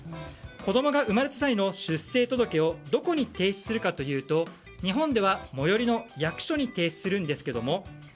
子供が生まれた際の出生届をどこに提出するかというと日本では最寄りの役所に提出するんですけども